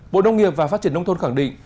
bộ nông nghiệp và phát triển nông thôn khẳng định